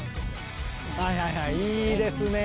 はいはいはいいいですね。